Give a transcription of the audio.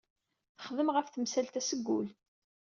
Texdem ɣef temsalt-a seg wul.